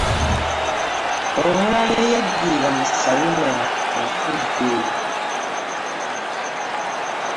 Omulala eyajira mu sawuna afudde.